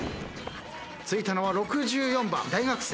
ついたのは６４番大学生。